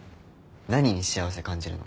何に幸せ感じるの？